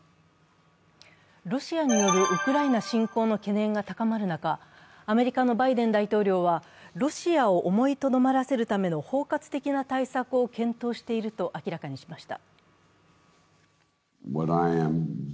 ロシアによるウクライナ侵攻の懸念が高まる中、アメリカのバイデン大統領はロシアを思いとどまらせるための包括的な対策を検討していると明らかにしました。